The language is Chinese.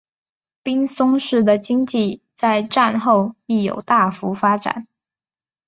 滨松市的经济在战后亦有大幅发展。